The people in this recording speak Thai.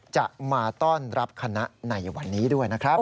จะมาต้อนรับคณะในวันนี้ด้วยนะครับ